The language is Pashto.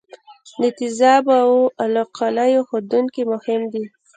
د تیزابو او القلیو ښودونکي مهم دي.